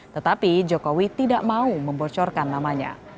tetapi jokowi tidak mau membocorkan namanya